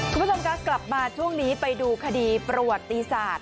คุณผู้ชมคะกลับมาช่วงนี้ไปดูคดีประวัติศาสตร์